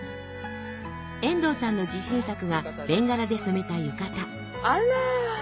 遠藤さんの自信作がベンガラで染めた浴衣あら。